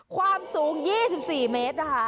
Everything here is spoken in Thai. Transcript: ความสูง๒๔เมตรนะคะ